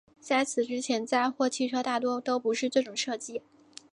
在此之前载货汽车大多都不是这种设计。